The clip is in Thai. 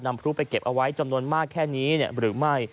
พลุไปเก็บเอาไว้จำนวนมากแค่นี้หรือไม่